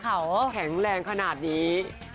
แข็งแรงขนาดนี้